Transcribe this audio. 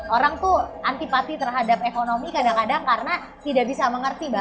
orang tuh antipati terhadap ekonomi kadang kadang karena tidak bisa mengerti bahwa